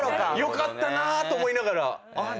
「良かったな」と思いながら「あれ？